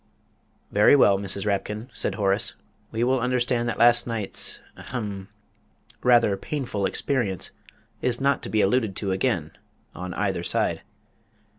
"Very well, Mrs. Rapkin," said Horace; "we will understand that last night's hem rather painful experience is not to be alluded to again on either side."